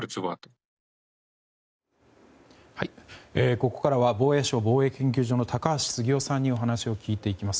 ここからは防衛省防衛研究所の高橋杉雄さんにお話を聞いていきます。